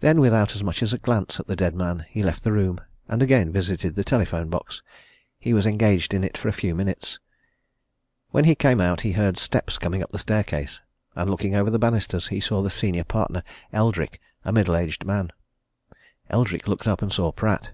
Then, without as much as a glance at the dead man, he left the room, and again visited the telephone box. He was engaged in it for a few minutes. When he came out he heard steps coming up the staircase, and looking over the banisters he saw the senior partner, Eldrick, a middle aged man. Eldrick looked up, and saw Pratt.